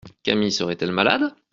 Camille serait-elle malade ?…